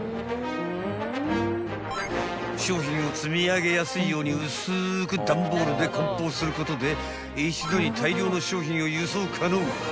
［商品を積み上げやすいように薄く段ボールで梱包することで一度に大量の商品を輸送可能］